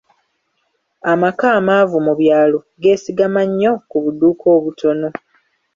Amaka amaavu mu byalo geesigama nnyo ku budduuka obutono.